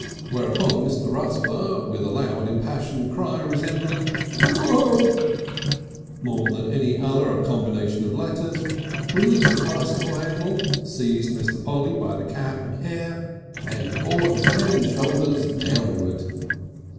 Whereupon Mr. Rusper, with a loud impassioned cry, resembling "Woo kik" more than any other combination of letters, released the bicycle handle, seized Mr. Polly by the cap and hair and bore his head and shoulders downward.